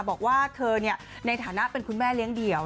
บอกว่าเธอในฐานะเป็นคุณแม่เลี้ยงเดี่ยว